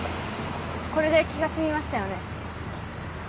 これで気が済みましたよね？